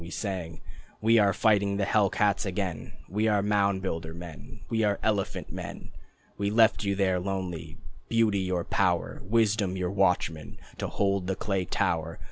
We sang: "We are fighting the hell cats again, We are mound builder men, We are elephant men." We left you there, lonely, Beauty your power, Wisdom your watchman, To hold the clay tower.